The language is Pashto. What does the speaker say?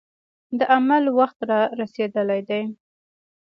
د عمل وخت را رسېدلی دی.